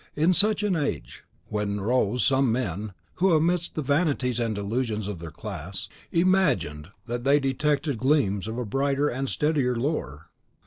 In such an age, then, arose some men, who, amidst the vanities and delusions of their class, imagined that they detected gleams of a brighter and steadier lore.